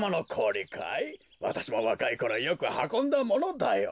わたしもわかいころよくはこんだものだよ。